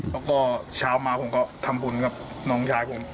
แล้วก็เช้ามาผมก็ทำบุญกับน้องยายผม